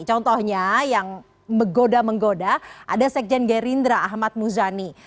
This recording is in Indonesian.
contohnya yang menggoda menggoda ada sekjen gerindra ahmad muzani